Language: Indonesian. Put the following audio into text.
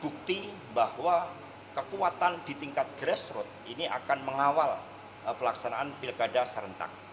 bukti bahwa kekuatan di tingkat grassroot ini akan mengawal pelaksanaan pilkada serentak